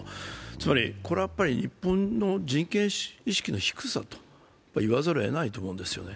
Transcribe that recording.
つまり、日本の人権意識の低さと言わざるをえないと思うんですよね。